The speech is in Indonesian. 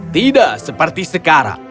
tidak seperti sekarang